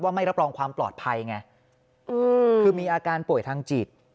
ไม่รับรองความปลอดภัยไงคือมีอาการป่วยทางจิต